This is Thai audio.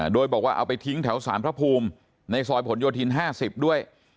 โดยบอกว่าเอาไปทิ้งแถวสารพระภูมิในซอยผลโยธิน๕๐ด้วย